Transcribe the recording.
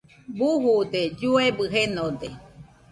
Bujude, lloebɨ jenode